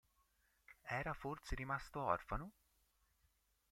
Era forse rimasto orfano?